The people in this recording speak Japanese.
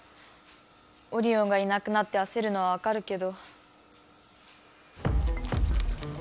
オリオンがいなくなってあせるのはわかるけど。